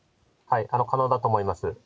可能だと思います。